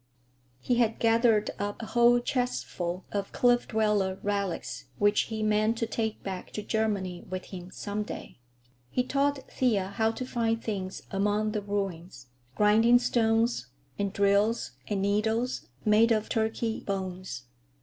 He had gathered up a whole chestful of Cliff Dweller relics which he meant to take back to Germany with him some day. He taught Thea how to find things among the ruins: grinding stones, and drills and needles made of turkey bones.